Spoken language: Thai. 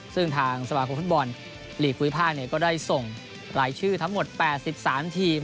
ซึ่งทางสมาคมฟุตบอลลีกภูมิภาคก็ได้ส่งรายชื่อทั้งหมด๘๓ทีม